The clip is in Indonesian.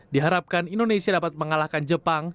diharapkan indonesia dapat mengalahkan jepang